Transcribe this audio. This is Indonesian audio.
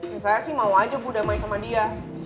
ya saya sih mau aja bu damai sama dia